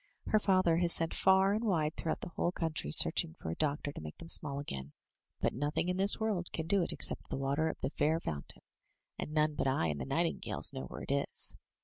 Her father has sent far and wide throughout the whole country searching for a doctor to make them small again, but nothing in this world can do it except the water of the Fair Fountain, and none but I and the nightingales know where it is."